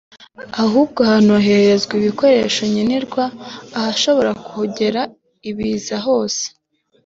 ahubwo hanoherezwa ibikoresho nkenerwa ahashobora kugera ibiza hose